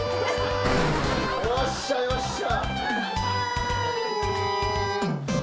よっしゃよっしゃ。